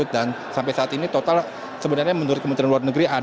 dan sampai saat ini total sebenarnya menurut kementerian luar negeri